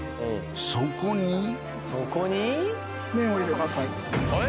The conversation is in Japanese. そこに「そこに」麺を入れます